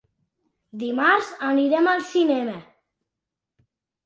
Dimarts anirem al cinema.